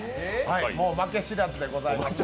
もう負け知らずでございます。